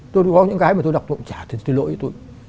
tôi có những cái mà tôi đọc tôi cũng trả lỗi